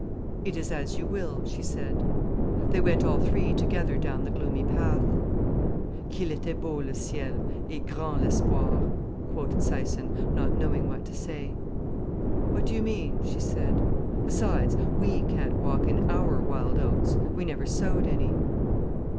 "It is as you will," she said. They went all three together down the gloomy path. "'Qu'il était bleu, le ciel, et grand l'espoir,'" quoted Syson, not knowing what to say. "What do you mean?" she said. "Besides, we can't walk in our wild oats—we never sowed any."